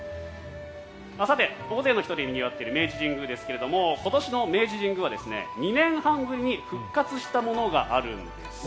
さて、大勢の人でにぎわっている明治神宮ですけども今年の明治神宮は、２年半ぶりに復活したものがあるんです。